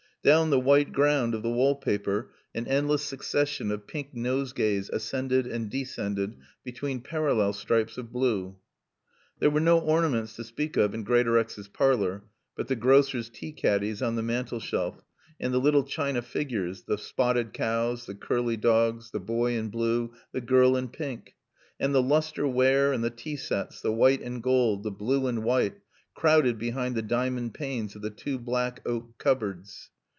Down the white ground of the wall paper an endless succession of pink nosegays ascended and descended between parallel stripes of blue. There were no ornaments to speak of in Greatorex's parlor but the grocer's tea caddies on the mantelshelf and the little china figures, the spotted cows, the curly dogs, the boy in blue, the girl in pink; and the lustre ware and the tea sets, the white and gold, the blue and white, crowded behind the diamond panes of the two black oak cupboards.